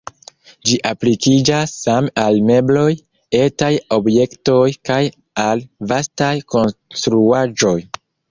Ĝi aplikiĝas same al mebloj, etaj objektoj, kaj al vastaj konstruaĵoj.